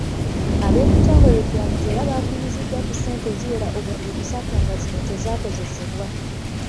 Ab'ekitongole ekiramuzi era bakunyiziddwa ku ssente eziwera obuwumbi busatu nga zino tezaakozesebwa.